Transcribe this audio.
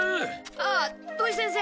ああ土井先生。